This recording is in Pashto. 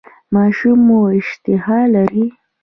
ماشوم مو اشتها لري؟